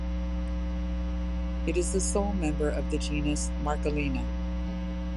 It is the sole member of the genus "Marchalina".